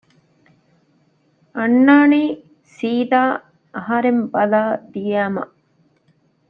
އަންނާނީ ސީދާ އަހަރެން ބަލާ ދިޔައިމަ